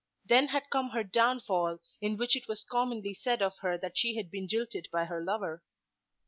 Then had come her downfall, in which it was commonly said of her that she had been jilted by her lover.